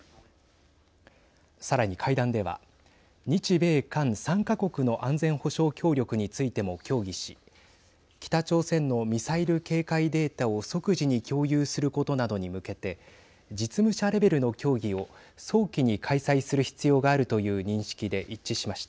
さらに会談では日米韓３か国の安全保障協力についても協議し北朝鮮のミサイル警戒データを即時に共有することなどに向けて実務者レベルの協議を早期に開催する必要があるという認識で一致しました。